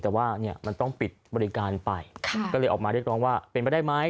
แต่ว่าเนี่ยมันต้องปิดบริการไปก็เลยออกมาเรียกร้องว่าเป็นไปได้ไหม